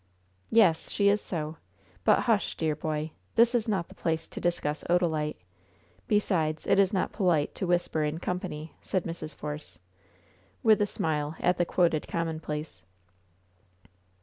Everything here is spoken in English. "Yes, she is so; but hush, dear boy! This is not the place to discuss Odalite. Besides, it is not polite to whisper in company," said Mrs. Force, with a smile at the quoted commonplace.